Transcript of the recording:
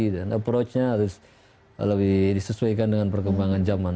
dan approach nya harus lebih disesuaikan dengan perkembangan zaman